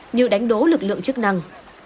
như đánh đố lực lượng chức năng